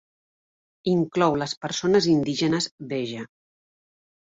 Inclou les persones indígenes Beja.